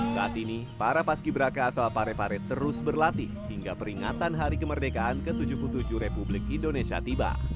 saat ini para paski beraka asal parepare terus berlatih hingga peringatan hari kemerdekaan ke tujuh puluh tujuh republik indonesia tiba